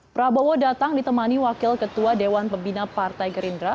prabowo datang ditemani wakil ketua dewan pembina partai gerindra